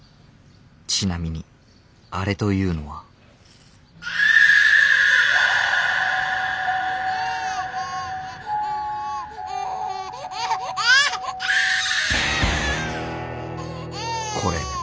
ちなみにアレというのはこれ。